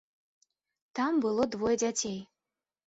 Там было двое дзяцей.